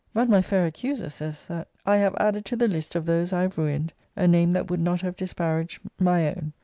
But my fair accuser says, that, 'I have added to the list of those I have ruined, a name that would not have disparaged my own.'